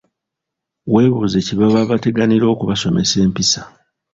Weebuuza kye baba bateganira okubasomesa empisa.